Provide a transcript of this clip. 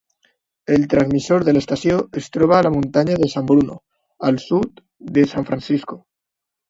El transmissor de l'estació es troba a la muntanya de San Bruno, al sud de San Francisco.